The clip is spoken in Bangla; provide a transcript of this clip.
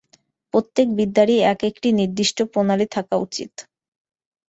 প্রত্যেক বিদ্যারই এক-একটি নিদিষ্ট প্রণালী থাকা উচিত।